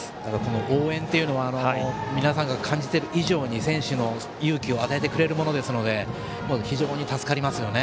応援というのは皆さんが感じている以上に選手に勇気を与えてくれるものですので非常に助かりますよね。